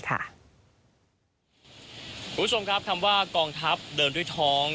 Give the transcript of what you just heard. คุณผู้ชมครับคำว่ากองทัพเดินด้วยท้อง